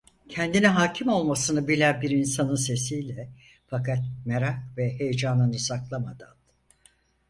Kendine hâkim olmasını bilen bir insanın sesiyle, fakat merak ve heyecanını saklamadan: